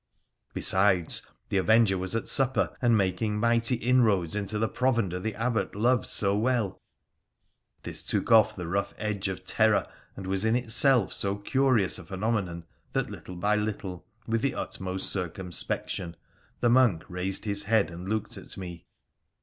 Besides, the avenger was at supper, and making mighty inroads into the provender the Abbot loved so well : this took off the rough edge of terror, and was in itself so curious a phenomenon that little by little, with the utmost circum spection, the monk raised his head and looked at me.